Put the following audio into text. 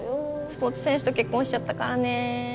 スポーツ選手と結婚しちゃったからね